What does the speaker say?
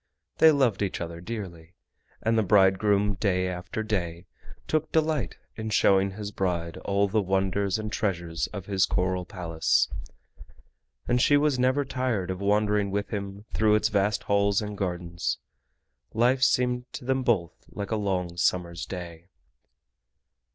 They loved each other dearly, and the bridegroom day after day took delight in showing his bride all the wonders and treasures of his coral Palace, and she was never tired of wandering with him through its vast halls and gardens. Life seemed to them both like a long summer's day.